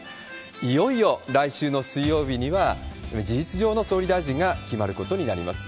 いよいよ来週の水曜日には、事実上の総理大臣が決まることになります。